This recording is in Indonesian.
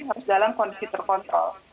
harus dalam kondisi terkontrol